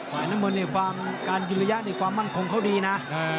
ฝ่ายน้ำเงินกินการยื้อเลี้ยงมั่งคงของเขาดีนะ